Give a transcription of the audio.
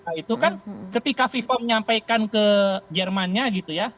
nah itu kan ketika viva menyampaikan ke jermannya gitu ya